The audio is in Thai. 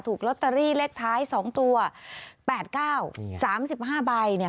ถูกล็อตเตอรี่เลขท้ายสองตัวแปดเก้าสามสิบห้าใบเนี่ย